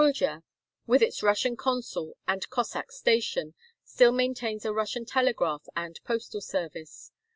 Kuldja, with its Russian consul and Cossack station, still maintains a Russian telegraph and postal service.